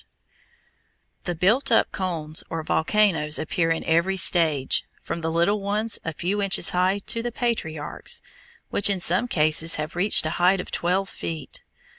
POT HOLES] The built up cones or volcanoes appear in every stage, from the little ones a few inches high to the patriarchs, which in some cases have reached a height of twelve feet.